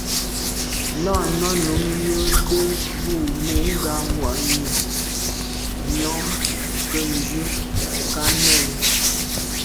Náná nǔm jə́də́ bû mû ŋgā mwà’nì nyɔ̌ ŋkə̂mjvʉ́ ká nɛ̂n.